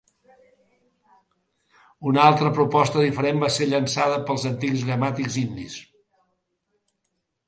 Una altra proposta diferent va ser llançada pels antics gramàtics indis.